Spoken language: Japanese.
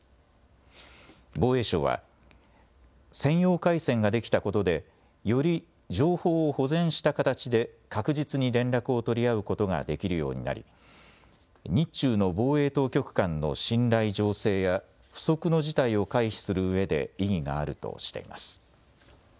防衛省は専用回線ができたことでより情報を保全した形で確実に連絡を取り合うことができるようになり日中の防衛当局間の信頼醸成や不測の事態を回避するうえで意義があるとしています。